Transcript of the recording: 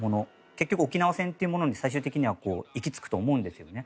結局、沖縄戦というものに最終的には行きつくと思うんですよね。